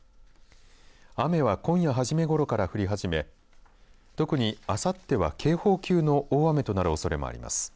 雨は今夜初めごろから降り始め特にあさっては警報級の大雨となるおそれもあります。